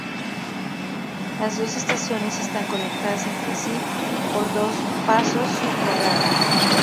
Las dos estaciones están conectadas entre sí por dos pasos subterráneos.